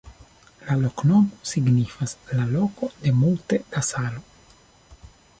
La loknomo signifas: "la loko de multe da salo".